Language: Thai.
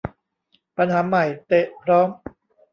ปัญหาใหม่ เตะพร้อม